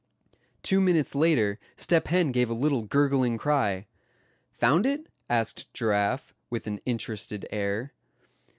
Two minutes later Step Hen gave a little gurgling cry. "Found it?" asked Giraffe, with an interested air.